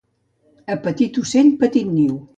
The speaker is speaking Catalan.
A petit ocell, petit niu.